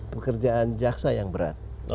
pekerjaan jaksa yang berat